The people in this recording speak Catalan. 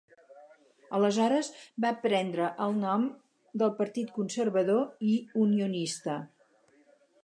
Aleshores va prendre el nom de Partit Conservador i Unionista.